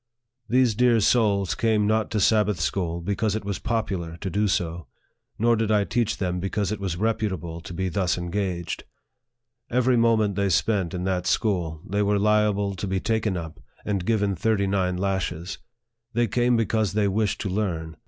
These dear souls came not to Sabbath school because it was popular to do so, nor did I teach them because it was reputable to be thus engaged. Every moment they spent in that school, they were liable to be taken up, and given thirty nine lashes. They came because they wished to learn.